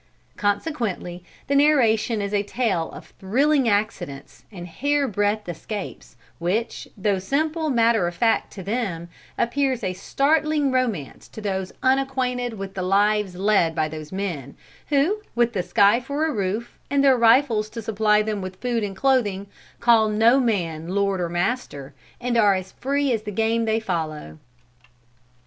Consequently the narration is a tale of thrilling accidents, and hair breadth escapes, which, though simple matter of fact to them, appears a startling romance to those unacquainted with the lives led by those men, who, with the sky for a roof, and their rifles to supply them with food and clothing, call no man lord or master, and are as free as the game they follow."